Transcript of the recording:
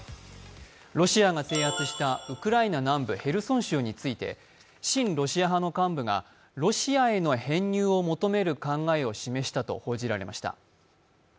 ロシアが制圧したウクライナ南部ヘルソン州について、親ロシア派の幹部がロシアへの編入を求める考えを示した報じられました。